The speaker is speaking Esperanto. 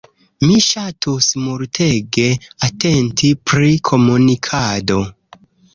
Mi ŝatus multege atenti pri komunikado.